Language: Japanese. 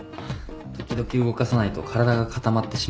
時々動かさないと体が固まってしまうので。